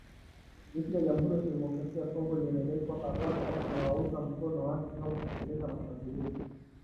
Jeshi la jamuhuri ya demokrasia ya Kongo limedai kwamba Rwanda inawaunga mkono waasi hao kutekeleza mashambulizi